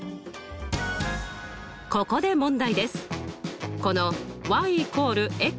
ここで問題です。